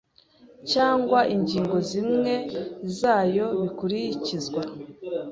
cyangwa ingingo zimwe zayo bikurikizwa